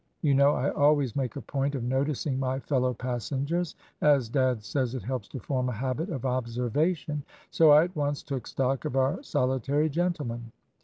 You know I always make a point of noticing my fellow passengers, as dad says it helps to form a habit of observation; so I at once took stock of our solitary gentleman.